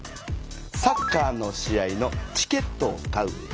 サッカーの試合のチケットを買う。